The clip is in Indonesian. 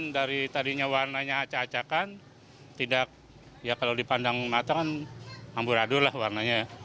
dari tadinya warnanya aca acakan kalau dipandang mata kan hambur adul lah warnanya